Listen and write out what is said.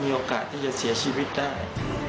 โอกาสที่จะเสียชีวิตได้